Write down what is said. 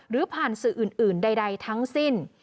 หรือผ่านสื่ออื่นใดทั้งสิ้น